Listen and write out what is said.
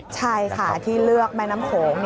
ใช่ค่ะที่เลือกแม่น้ำโขง